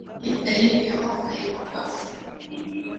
Dalili ya homa ya mapafu